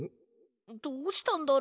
どうしたんだろ？